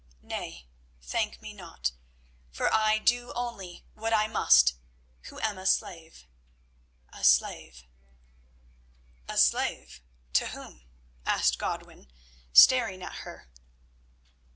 Nay, thank me not, for I do only what I must who am a slave—a slave." "A slave to whom?" asked Godwin, staring at her.